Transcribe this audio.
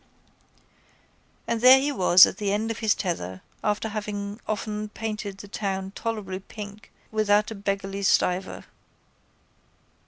And there he was at the end of his tether after having often painted the town tolerably pink without a beggarly stiver.